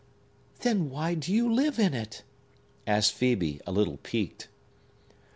"Then why do you live in it?" asked Phœbe, a little piqued.